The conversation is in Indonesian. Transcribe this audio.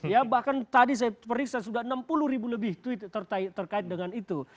ya bahkan tadi saya periksa sudah enam puluh ribu lebih tweet terkait dengan itu